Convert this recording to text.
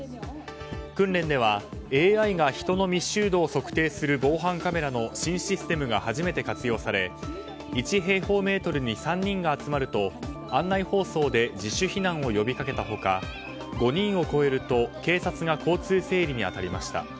訓練ではＡＩが人の密集度を測定する防犯カメラの新システムが初めて活用され１平方メートルに３人が集まると案内放送で自主避難を呼びかけた他５人を超えると警察が交通整理に当たりました。